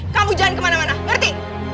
kamu jangan kemana mana berarti